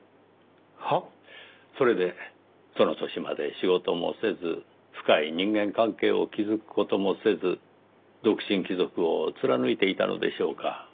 それでその年まで仕事もせず深い人間関係を築く事もせず独身貴族を貫いていたのでしょうか。